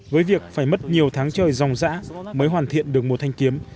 với việc phải mất nhiều tháng trời dòng dã mới hoàn thiện được một thanh kiếm